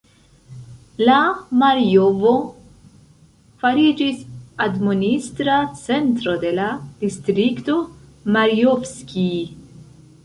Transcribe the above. La Marjovo fariĝis admonistra centro de la distrikto Marjovskij.